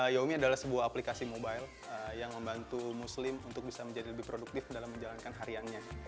yaumi adalah sebuah aplikasi mobile yang membantu muslim untuk bisa menjadi lebih produktif dalam menjalankan hariannya